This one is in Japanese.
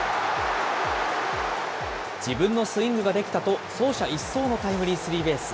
自分のスイングができたと、走者一掃のタイムリースリーベース。